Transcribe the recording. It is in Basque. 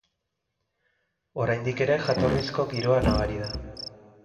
Oraindik ere jatorrizko giroa nabari da.